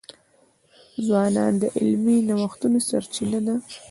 ځوانان د علمي نوښتونو سرچینه ده.